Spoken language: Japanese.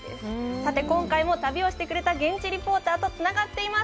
さて、今回も旅をしてくれた現地リポーターとつながっています。